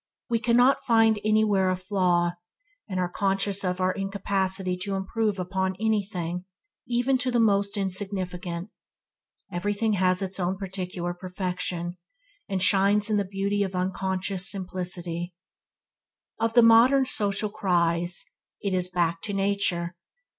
We cannot find anywhere a flaw, and are conscious of our incapacity to improve upon anything, even to the most insignificant. Everything ha sits own peculiar perfection, and shines in the beauty of unconscious simplicity. One of the modern social cries is, "Back to nature".